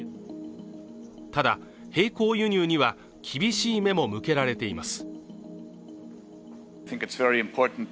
ただ、並行輸入には厳しい目も向けられています。